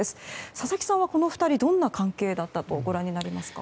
佐々木さんは、この２人どんな関係だったとご覧になりますか？